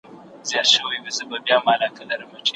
ټول پردي دي بېګانه دي مقتدي دی که امام دی